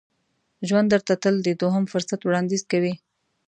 ژوند درته تل د دوهم فرصت وړاندیز کوي.